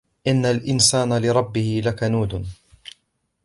إِنَّ الْإِنْسَانَ لِرَبِّهِ لَكَنُودٌ